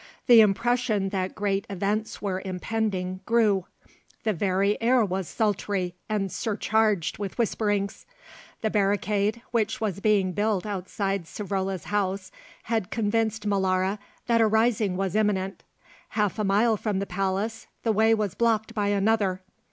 The impression that great events were impending grew; the very air was sultry and surcharged with whisperings. The barricade, which was being built outside Savrola's house, had convinced Molara that a rising was imminent; half a mile from the palace the way was blocked by another.